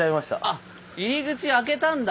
あっ入り口開けたんだ。